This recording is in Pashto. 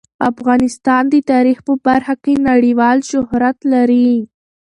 افغانستان د تاریخ په برخه کې نړیوال شهرت لري.